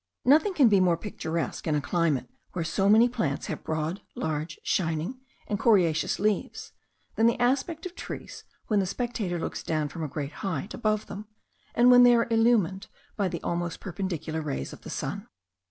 Nothing can be more picturesque, in a climate where so many plants have broad, large, shining, and coriaceous leaves, than the aspect of trees when the spectator looks down from a great height above them, and when they are illumined by the almost perpendicular rays of the sun.